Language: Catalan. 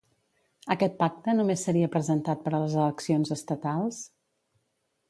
Aquest pacte només seria presentat per a les eleccions estatals?